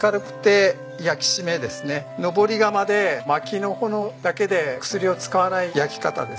登り窯で薪の炎だけで薬を使わない焼き方です。